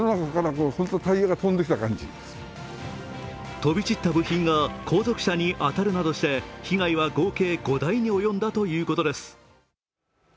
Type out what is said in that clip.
飛び散った部品が後続車に当たるなどして被害は合計５台に及んだということです。